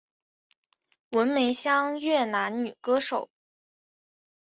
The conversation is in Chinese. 文梅香越南女歌手。